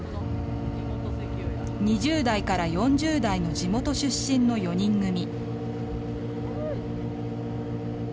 ２０代から４０代の地元出身の４人組。